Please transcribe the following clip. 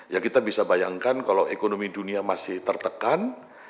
ya kita bisa bayangkan kalau ekonomi dunia masih tertekan